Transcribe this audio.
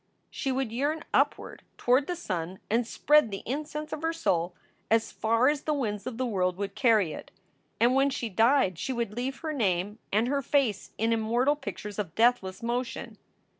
She would yearn upward toward the sun and spread the incense of her soul as far as the winds of the world would carry it. And when she died she would leave her name and her face in immortal pictures of deathless motion.